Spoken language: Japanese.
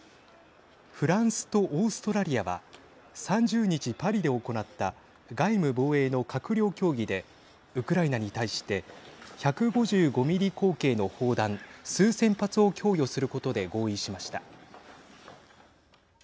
フランスとオーストラリアは３０日パリで行った外務・防衛の閣僚協議でウクライナに対して１５５ミリ口径の砲弾、数千発を供与することで合意しました。